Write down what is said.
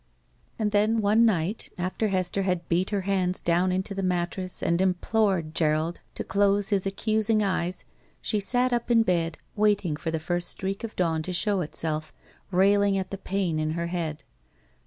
And then, one night, after Hester had beat her hands down into the mattress and implored Gerald to dose his accusing eyes, she sat up in bed, waiting for the first streak of dawn to show itself, railing at the pain in her head.